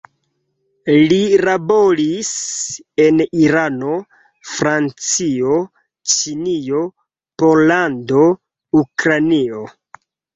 Li laboris en Irano, Francio, Ĉinio, Pollando, Ukrainio.